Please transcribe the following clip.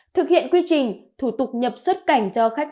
thực hiện quy trình thủ tục nhập xuất cảnh cho khách